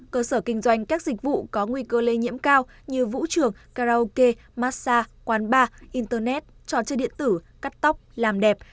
cơ sở kinh doanh các dịch vụ có nguy cơ lây nhiễm cao như vũ trường karaoke massage quán bar internet trò chơi điện tử cắt tóc làm đẹp